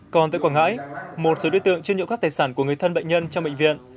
còn tại quảng ngãi một số đối tượng chưa nhậu cắp tài sản của người thân bệnh nhân trong bệnh viện